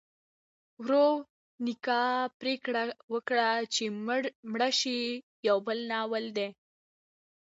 ورونیکا پریکړه وکړه چې مړه شي یو بل ناول دی.